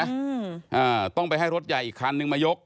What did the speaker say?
เอ่อต้องไปให้รถใยอีกครั้งนึงมายก